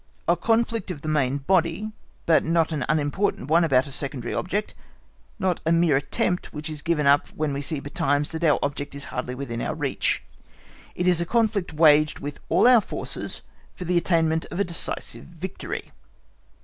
A conflict of the main body, but not an unimportant one about a secondary object, not a mere attempt which is given up when we see betimes that our object is hardly within our reach: it is a conflict waged with all our forces for the attainment of a decisive victory.